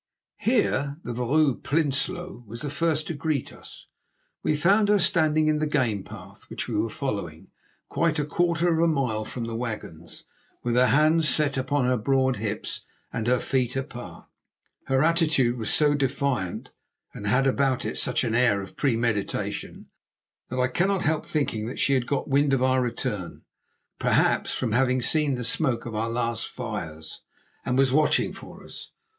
Here the Vrouw Prinsloo was the first to greet us. We found her standing in the game path which we were following, quite a quarter of a mile from the wagons, with her hands set upon her broad hips and her feet apart. Her attitude was so defiant, and had about it such an air of premeditation, that I cannot help thinking she had got wind of our return, perhaps from having seen the smoke of our last fires, and was watching for us.